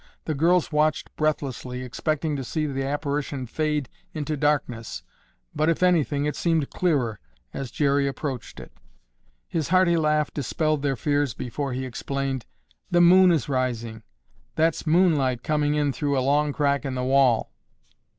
The girls watched breathlessly expecting to see the apparition fade into darkness, but, if anything, it seemed clearer, as Jerry approached it. His hearty laugh dispelled their fears before he explained, "The moon is rising. That's moonlight coming in through a long crack in the wall."